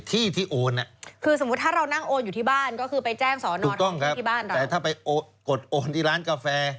ถูกต้องครับแต่ถ้าไปกดโอนที่ร้านกาแฟ